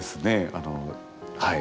あのはい。